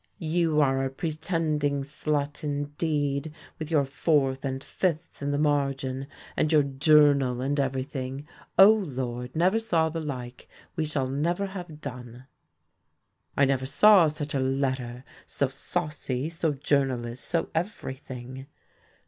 "You are a pretending slut, indeed, with your 'fourth' and 'fifth' in the margin, and your 'journal' and everything. O Lord, never saw the like, we shall never have done." "I never saw such a letter, so saucy, so journalish, so everything."